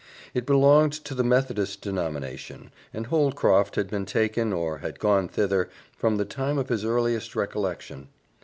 It belonged to the Methodist denomination, and Holcroft had been taken, or had gone thither, from the time of his earliest recollection.